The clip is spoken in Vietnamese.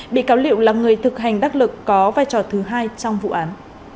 bị cáo liệu là người thực hành đắc lực có vai trò thứ hai trong vụ án